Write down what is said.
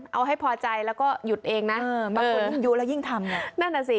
เอาให้พอใจแล้วก็หยุดเองน่ะเออเอออยู่แล้วยิ่งทำนั่นนั่นแหละสิ